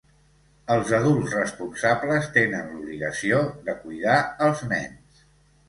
Els adults responsables tenen l'obligació de cuidar els nens.